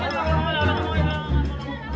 pemahaman pemahaman pemahaman